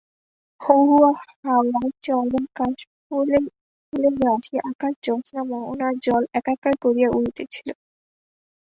হু-হু হাওয়ায় চরের কাশফুলের রাশি আকাশ, জ্যোৎস্না, মোহনার জল একাকার করিয়া উড়িতেছিল।